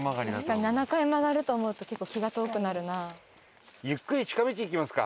確かに７回曲がると思うと結構気が遠くなるな。